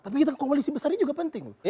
tapi kita ngomongin koalisi besarnya juga penting